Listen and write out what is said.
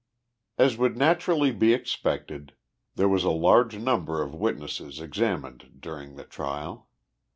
As would naturally be expected there was a large number of witnesses examined during the trial.